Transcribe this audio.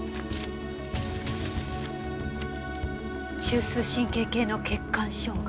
「中枢神経系の血管障害」。